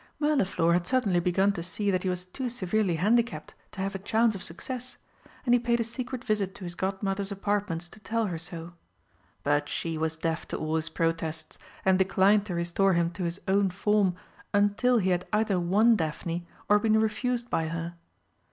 Mirliflor had certainly begun to see that he was too severely handicapped to have a chance of success, and he paid a secret visit to his Godmother's apartments to tell her so. But she was deaf to all his protests, and declined to restore him to his own form until he had either won Daphne or been refused by her.